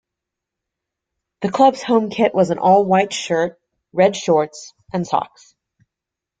The club's home kit was an all-white shirt, red shorts and socks.